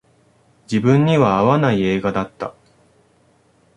自分には合わない映画だった